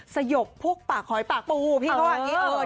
สยบพวกปากหอยปากปูพี่เขาว่าอย่างนี้